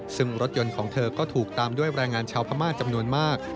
ซึ่งรถยนต์ของเธอก็ถูกตามด้วยแรงงานชาวพม่าจำนวนมาก